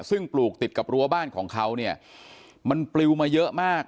ซึ่งปลูกติดกับรั้วบ้านของเขาเนี่ยมันปลิวมาเยอะมาก